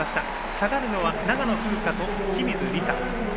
下がるのは長野風花と清水梨紗。